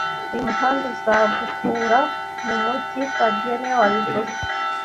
Uyu muhanda uzagukura mu mujyi fabien niwe wabivuze